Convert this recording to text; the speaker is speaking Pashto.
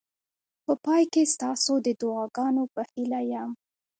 په پای کې ستاسو د دعاګانو په هیله یم.